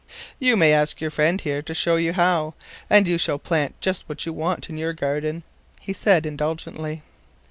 "You may ask your friend here to show you how, and you shall plant just what you want in your garden," he said indulgently.